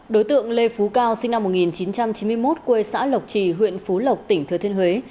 đối tượng lê phú cao sinh năm một nghìn chín trăm chín mươi một quê xã lộc trì huyện phú lộc tỉnh thừa thiên huế